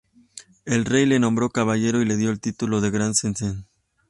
El Rey le nombró caballero y le dio el título de Gran Senescal.